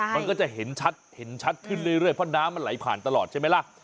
มันก็จะเห็นชัดเห็นชัดขึ้นเรื่อยเพราะน้ำมันไหลผ่านตลอดใช่ไหมล่ะ